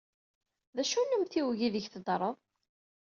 D acu n umtiweg aydeg teddred?